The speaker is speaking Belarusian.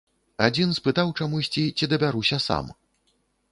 Адзін спытаў чамусьці, ці дабяруся сам.